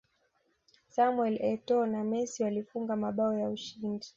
samuel etoo na messi walifunga mabao ya ushindi